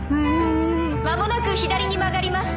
間もなく左に曲がります。